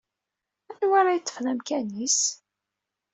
Anwa ara yeṭṭfen amkan-is?